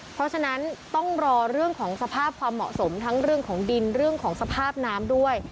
เพราะฉะนั้นต้องรอเรื่องของสภาพความเหมาะสมทั้งเรื่องของดินเรื่องของสภาพน้ำด้วย